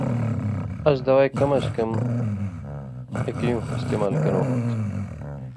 اس دوائ کم سے کم ایک یُون٘ہہۡ استعمال کرٶں ہوتُھو۔